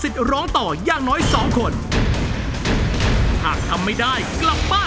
ช่วยฝังดินหรือกว่า